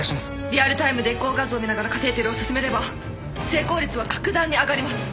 リアルタイムでエコー画像を見ながらカテーテルを進めれば成功率は格段に上がります。